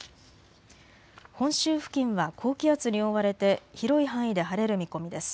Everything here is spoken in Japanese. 本州付近は高気圧に覆われて広い範囲で晴れる見込みです。